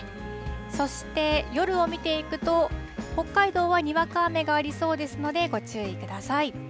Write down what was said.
そして、夜を見ていくと北海道はにわか雨がありそうですのでご注意ください。